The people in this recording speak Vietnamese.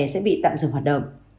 sẽ bị tạm dừng hoạt động